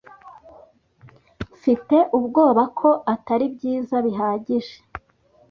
Mfite ubwoba ko atari byiza bihagije.